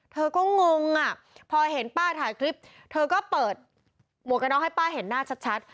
เธอก็งงอ่ะพอเห็นป้าถ่ายคลิปเธอก็เปิดหมวกกระน็อกให้ป้าเห็นหน้าชัด